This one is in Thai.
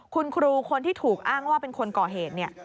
คุณครูคนที่ถูกอ้างว่าเป็นคนก่อเหตุเนี่ย